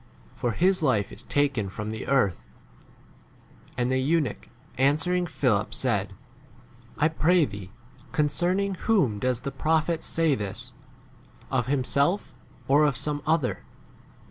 for his life is taken from the earth. 34 And the eunuch answering Philip said, I pray thee, concerning whom does the prophet say this ? of him 35 self or of some other